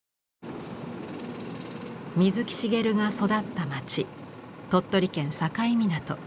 水木しげるが育った町鳥取県境港。